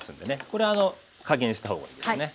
これは加減したほうがいいですね。